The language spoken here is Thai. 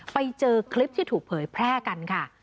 ไปเจอคลิปที่ถูกเผยแพร่กันค่ะ